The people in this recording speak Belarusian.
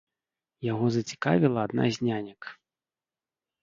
Яго зацікавіла адна з нянек.